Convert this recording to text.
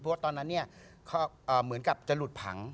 เพราะว่าตอนนั้นเหมือนกับจะหลุดผัง